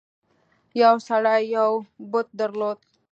یو سړي یو بت درلود.